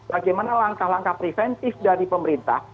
bagaimana langkah langkah preventif dari pemerintah